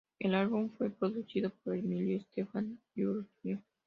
El álbum fue producido por Emilio Estefan, Jr.